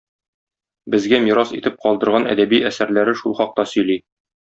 Безгә мирас итеп калдырган әдәби әсәрләре шул хакта сөйли.